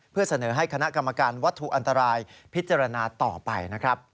เพื่อเสนอให้คณะกรรมการวัตถุอันตรายพิจารณาต่อไปนะครับ